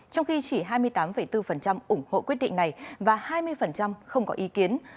trong khi chỉ hai mươi tám bốn ủng hộ quyết định này và hai mươi không có ý kiến